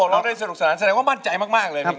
เราได้สนุกสนานแสดงว่ามั่นใจมากเลย